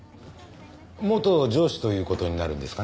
元上司という事になるんですかね？